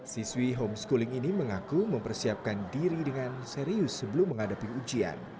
siswi homeschooling ini mengaku mempersiapkan diri dengan serius sebelum menghadapi ujian